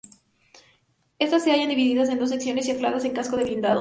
Estas se hallan divididas en dos secciones y ancladas al casco del blindado.